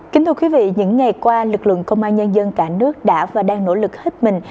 kính thưa quý vị những ngày qua lực lượng công an nhân dân cả nước đã và đang nỗ lực hết mình